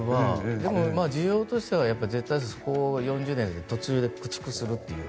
でも、需要としては絶対、ここ４０年途中で駆逐するという。